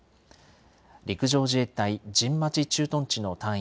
陸上自衛隊神町駐屯地の隊員